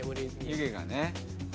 湯気がね。